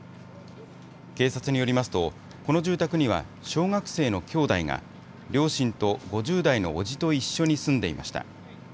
警察によりますと、この住宅には小学生の兄弟が、両親と５０代の伯父と一緒に住んでいました。